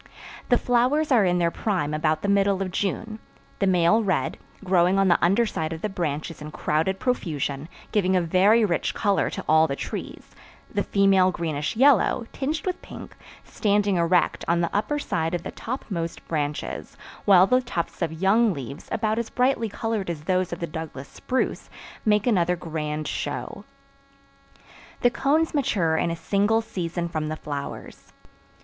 The flowers are in their prime about the middle of June; the male red, growing on the underside of the branches in crowded profusion, giving a very rich color to all the trees; the female greenish yellow, tinged with pink, standing erect on the upper side of the topmost branches, while the tufts of young leaves, about as brightly colored as those of the Douglas spruce, make another grand show. The cones mature in a single season from the flowers.